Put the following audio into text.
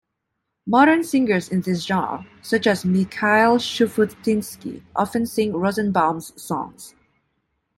Modern singers in this genre, such as Mikhail Shufutinsky often sing Rosenbaum's songs.